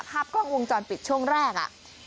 ภาพกล้องวงจรปิดช่วงแรก